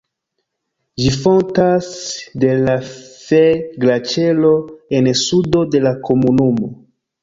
Ĝi fontas de la Fee-Glaĉero en sudo de la komunumo.